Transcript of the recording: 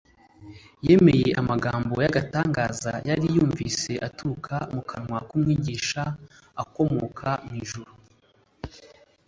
Yemeye amagambo y’agatangaza yari yumvise aturutse mu kanwa k’Umwigisha ukomoka mw’ijuru.